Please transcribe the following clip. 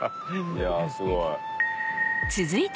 いやすごい。